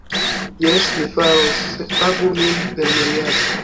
Jes, mi faros. Sed pagu min per miriado